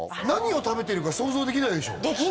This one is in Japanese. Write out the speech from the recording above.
何を食べてるか想像できないでしょ？